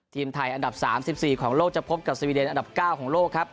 ทีมไทยอันดับ๓๔ของโลกจะพบกับสวีเดนอันดับ๙ของโลกครับ